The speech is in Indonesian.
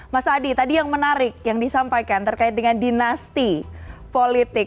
mas adi tadi yang menarik yang disampaikan terkait dengan dinasti politik